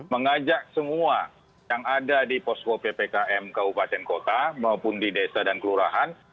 mengajak semua yang ada di posko ppkm kabupaten kota maupun di desa dan kelurahan